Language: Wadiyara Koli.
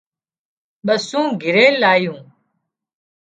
ٻسُون گھرِي لايون